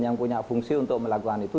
yang punya fungsi untuk melakukan itu